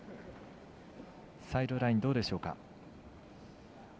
サイドライン、どうでしょうか。